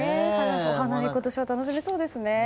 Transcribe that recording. お花見、今年は楽しめそうですね。